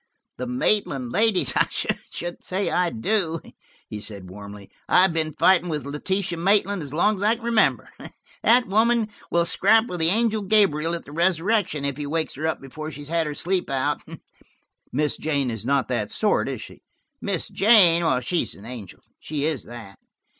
"The Maitland ladies! I should say I do," he said warmly. "I've been fighting with Letitia Maitland as long as I can remember. That woman will scrap with the angel Gabriel at the resurrection, if he wakes her up before she's had her sleep out." "Miss Jane is not that sort, is she?" "Miss Jane? She's an angel–she is that.